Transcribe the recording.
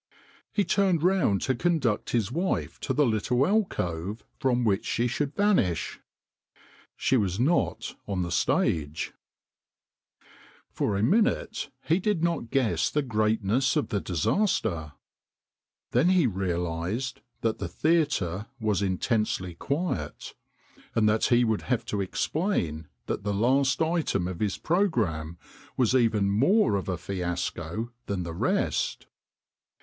He turned round to conduct his wife to the little alcove from which she should vanish. She was not on the stage ! For a minute he did not guess the greatness of the disaster. Then he realised that the theatre was intensely quiet, and that he would have to explain that the last item of his pro gramme was even more of a fiasco than the rest.